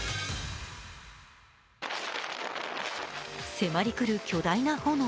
迫り来る巨大な炎。